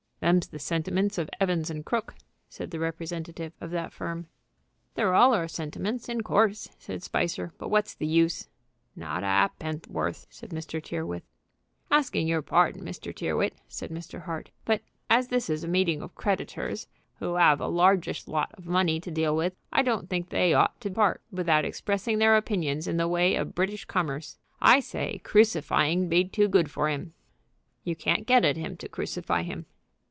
"Them's the sentiments of Evans & Crooke," said the representative of that firm. "They're all our sentiments, in course," said Spicer; "but what's the use?" "Not a ha'p'orth," said Mr. Tyrrwhit. "Asking your pardon, Mr. Tyrrwhit," said Mr. Hart, "but, as this is a meeting of creditors who 'ave a largish lot of money to deal with, I don't think they ought to part without expressing their opinions in the way of British commerce. I say crucifying 'd be too good for 'im." "You can't get at him to crucify him."